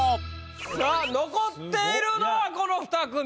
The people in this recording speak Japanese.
さあ残っているのはこのふた組。